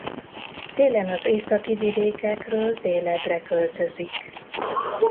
Télen az északi vidékekről délebbre költözik.